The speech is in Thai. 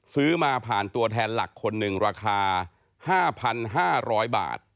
ซื้อมาผ่านตัวแทนหลักคนหนึ่งราคา๕๕๐๐บาท